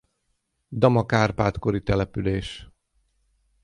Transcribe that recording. Damak Árpád-kori település.